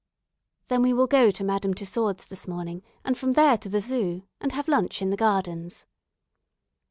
"Then we will go to Madame Tussaud's this morning, and from there to the 'Zoo,' and have lunch in the gardens."